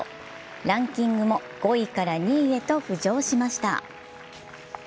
ランキングも５位から２位へと浮上しました。